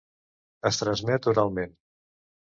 Es transmet oralment.